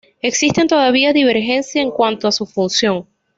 Existen todavía divergencias en cuanto a su función.